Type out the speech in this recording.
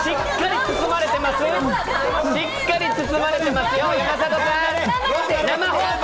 しっかり包まれてますよ、山里さん、生放送！